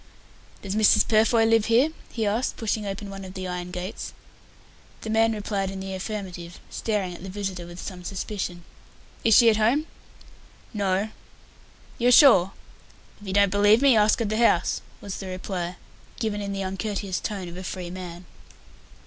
"Does Mrs. Purfoy live here?" he asked, pushing open one of the iron gates. The man replied in the affirmative, staring at the visitor with some suspicion. "Is she at home?" "No." "You are sure?" "If you don't believe me, ask at the house," was the reply, given in the uncourteous tone of a free man.